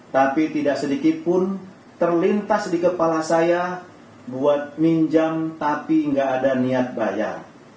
tapi tidak sedikit pun terlintas di kepala saya buat minjam tapi nggak ada niat bayar